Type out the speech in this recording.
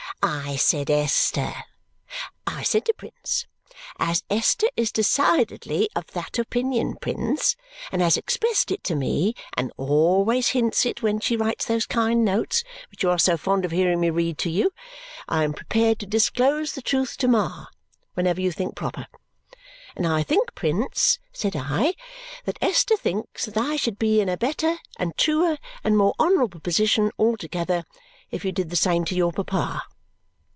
"I said, 'Esther.' I said to Prince, 'As Esther is decidedly of that opinion, Prince, and has expressed it to me, and always hints it when she writes those kind notes, which you are so fond of hearing me read to you, I am prepared to disclose the truth to Ma whenever you think proper. And I think, Prince,' said I, 'that Esther thinks that I should be in a better, and truer, and more honourable position altogether if you did the same to your papa.'"